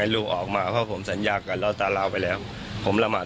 ทุกคนเลยทั้งความเชื่อ